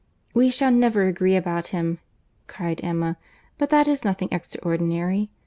"We shall never agree about him," cried Emma; "but that is nothing extraordinary.